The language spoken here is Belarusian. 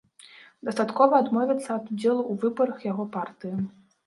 Дастаткова адмовіцца ад удзелу ў выбарах яго партыі.